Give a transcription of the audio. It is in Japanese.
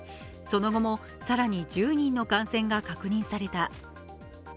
その後も更に１０人の感染が確認された。